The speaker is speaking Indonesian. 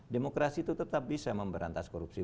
demokrasi itu tetap bisa memberantas korupsi